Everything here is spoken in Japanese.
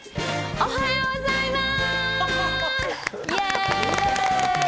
おはようございます。